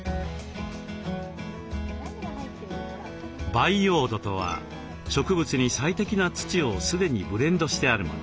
培養土とは植物に最適な土を既にブレンドしてあるもの。